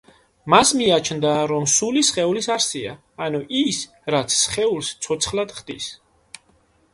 მას მიაჩნდა, რომ სული სხეულის არსია, ანუ ის, რაც სხეულს ცოცხლად ხდის.